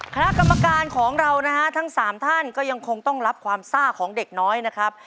คณะกรรมการของเรานะฮะทั้งสามท่านก็ยังคงต้องรับความซ่าของเด็กน้อยนะครับ